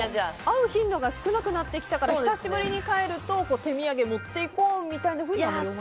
会う頻度が少なくなってきたから久しぶりに変える時は手土産持って行こうみたいになりますか？